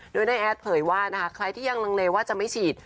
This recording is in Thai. โดยน้าแอดเผยว่านะคะใครที่ยังลังเลว่าจะไม่ฉีด